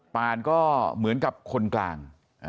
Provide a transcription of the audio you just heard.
ปานก็เหมือนกับคนกลาง